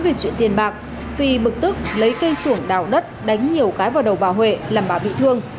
về chuyện tiền bạc phi bực tức lấy cây xuồng đào đất đánh nhiều cái vào đầu bà huệ làm bà bị thương